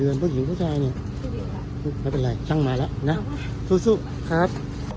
๔เดือนเพราะหญิงผู้ชายเนี่ยไม่เป็นไรช่างมาแล้วนะสู้สู้ครับ